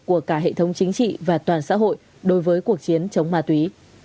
của cả hệ thống chính trị và toàn xã hội đối với cuộc chiến chống ma túy